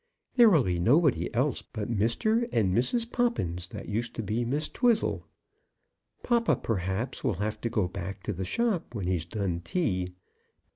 There will be nobody else but Mr. and Mrs. Poppins, that used to be Miss Twizzle. Papa, perhaps, will have to go back to the shop when he's done tea.